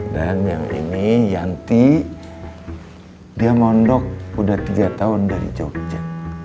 dan yang ini yanti dia mondok udah tiga tahun dari jogja